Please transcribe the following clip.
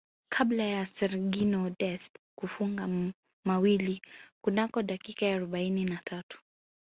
kabla ya Sergino Dest kufunga mawili kunako dakika ya arobaini na tatu